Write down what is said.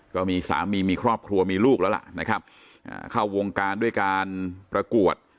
ก็มีสามีมีครอบครัวมีลูกแล้วล่ะนะครับเข้าวงการด้วยการประกวด